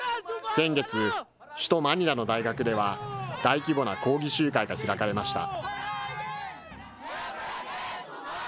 先月、首都マニラの大学では、大規模な抗議集会が開かれました。